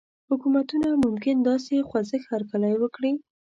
حکومتونه ممکن د داسې خوځښت هرکلی وکړي.